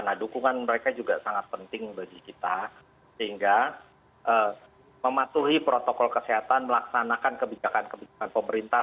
nah dukungan mereka juga sangat penting bagi kita sehingga mematuhi protokol kesehatan melaksanakan kebijakan kebijakan pemerintah